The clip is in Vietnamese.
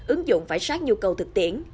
ứng dụng phải sát nhu cầu thực tiễn